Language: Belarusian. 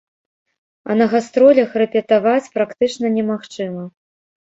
А на гастролях рэпетаваць практычна немагчыма.